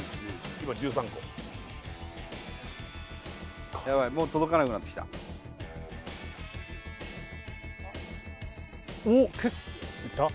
今１３個やばいもう届かなくなってきたおっいった？